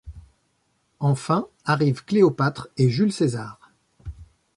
Enfin, arrivent Cléopâtre et Jules César.